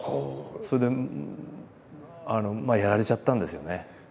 それでまあやられちゃったんですよね。